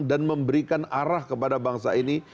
dan memberikan arah kepada bangsa ini